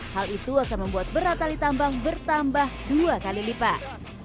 hal itu akan membuat berat tali tambang bertambah dua kali lipat